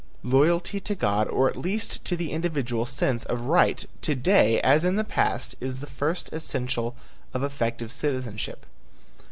Loyalty to God or at least to the individual sense of right to day as in the past is the first essential of effective citizenship.